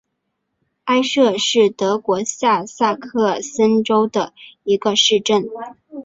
埃舍是德国下萨克森州的一个市镇。